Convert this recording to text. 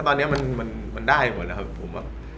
ตอนนี้มันได้หมดแล้วครับผม